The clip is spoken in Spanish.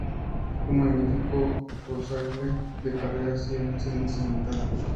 Un magnífico purasangre de carreras y un excelente semental.